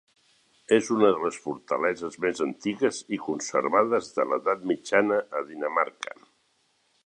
És una de les fortaleses més antigues i conservades de l'edat mitjana a Dinamarca.